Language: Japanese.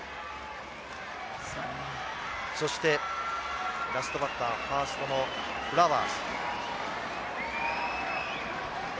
そして、ラストバッターファーストのフラワーズ。